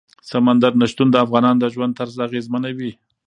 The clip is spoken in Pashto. سمندر نه شتون د افغانانو د ژوند طرز اغېزمنوي.